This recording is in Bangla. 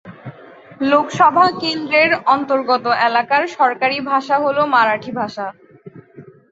লোকসভা কেন্দ্রের অন্তর্গত এলাকার সরকারি ভাষা হল মারাঠি ভাষা।